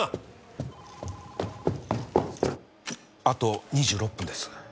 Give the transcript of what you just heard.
あと２６分です。